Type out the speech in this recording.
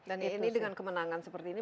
dan ini dengan kemenangan seperti ini